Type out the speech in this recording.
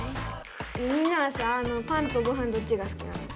みんなはさパンとごはんどっちが好きなの？